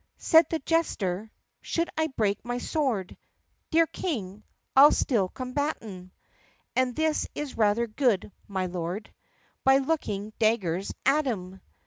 VII Said the jester, "Should I break my sword, Dear King, I 'll still combat 'em (And this is rather good, my lord) By looking daggers at 'em!"